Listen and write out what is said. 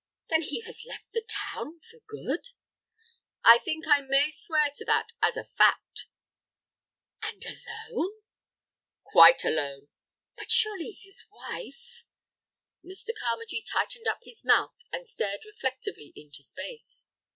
"Then he has left the town for good?" "I think I may swear to that as a fact." "And alone?" "Quite alone." "But surely his wife—?" Mr. Carmagee tightened up his mouth and stared reflectively into space.